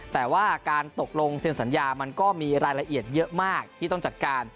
แต่ว่าการตกลงเซ็นสัญญามันก็มีรายละเอียดเยอะมากที่ต้องจัดการ